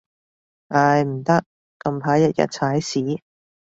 唉，唔得，近排日日踩屎